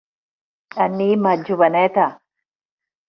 Anima't, joveneta!